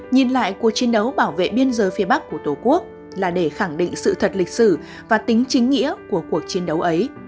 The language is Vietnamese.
nhìn lại cuộc chiến đấu bảo vệ biên giới phía bắc của tổ quốc là để khẳng định sự thật lịch sử và tính chính nghĩa của cuộc chiến đấu ấy